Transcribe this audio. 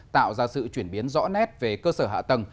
tạo ra sự chuyển biến rõ nét về cơ sở hạ tầng